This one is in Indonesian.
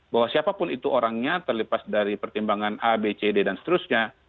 bahwa siapapun itu orangnya terlepas dari pertimbangan a b c d dan seterusnya